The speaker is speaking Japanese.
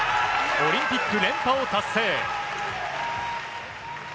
オリンピック連覇を達成。